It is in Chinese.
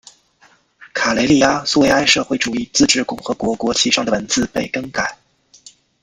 卡累利阿苏维埃社会主义自治共和国国旗上的文字被更改。